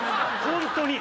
本当に！